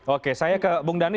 oke saya ke bung dhani